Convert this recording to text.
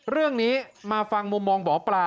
เรื่องนี้มาฟังมุมมองหมอปลา